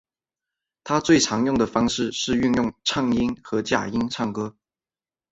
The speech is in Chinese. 他最常用的方式是运用颤音和假声唱歌。